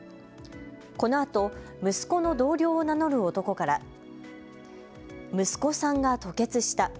このあと息子の同僚を名乗る男から息子さんが吐血した。